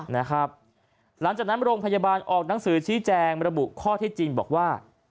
หลังจากนั้นโรงพยาบาลออกหนังสือชี้แจงระบุข้อที่จริงบอกว่า